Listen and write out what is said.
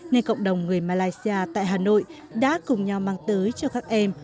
nên cộng đồng người malaysia tại hà nội đã cùng nhau mang tới cho các em